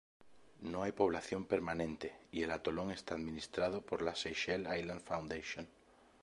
No hay población permanente y el atolón está administrado por la Seychelles Island Foundation.